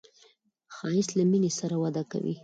ښایست له مینې سره وده کوي